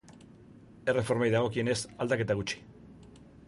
Erreformei dagokienez, aldaketa gutxi.